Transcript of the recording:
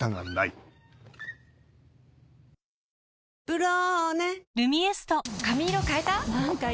「ブローネ」「ルミエスト」髪色変えた？